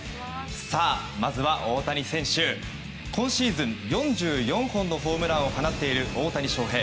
まずは、大谷選手今シーズン４４本のホームランを放っている大谷翔平。